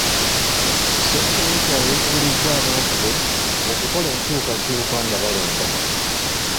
Ssentebe w'ekyalo yakubirizza abantu be okukola enkyukakyuka nga balonda.